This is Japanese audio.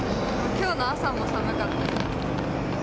きょうの朝も寒かった。